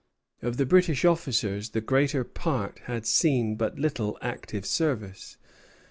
Of the British officers, the greater part had seen but little active service.